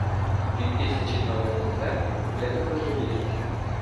Півтисячі нових комплектів вивезли до лісу.